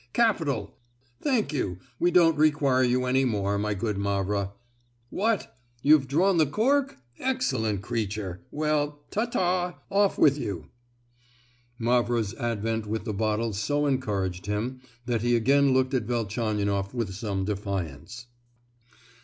Capital! Thank you, we don't require you any more, my good Mavra. What! you've drawn the cork? Excellent creature. Well, ta ta! off with you." Mavra's advent with the bottle so encouraged him that he again looked at Velchaninoff with some defiance.